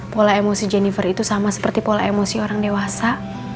pola emosi jennifer itu sama seperti pola emosi orang dewasa